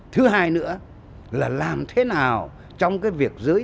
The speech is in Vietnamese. thứ hai nữa là làm thế nào trong cái việc giới